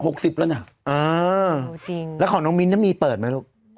หกสิบแล้วนะเออพอจริงแล้วของน้องมินต์เนี้ยมีเปิดไหมลูก